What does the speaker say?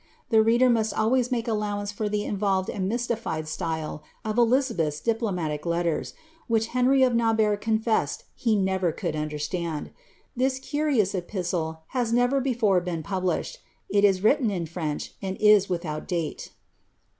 The reader must always make allowance for the involved and mystified style of Elizabeth's diplomatic letters, which Henry of Navarre confessed be never could understand. This curious epistle has never before been published ; it is written in French, and is without date.'